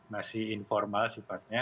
masih informal sifatnya